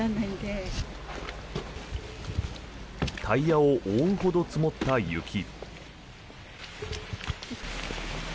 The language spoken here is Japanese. タイヤを覆うほど積もった雪。